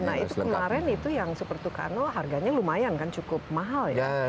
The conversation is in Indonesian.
nah itu kemarin itu yang super tucano harganya lumayan kan cukup mahal ya